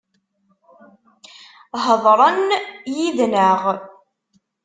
Heḍren yid-neɣ.